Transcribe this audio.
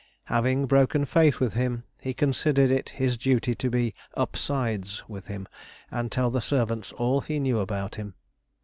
Having broken faith with him, he considered it his duty to be 'upsides' with him, and tell the servants all he knew about him.